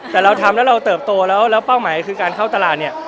แต่เราทำแล้วเราเติบโตแล้วเป้าหมายคือการเข้าตลาดเนี่ย